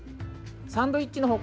サンドイッチの他